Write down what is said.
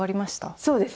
そうですね。